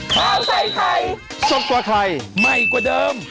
ข้าวใส่ไทยสดกว่าไทยใหม่กว่าเดิม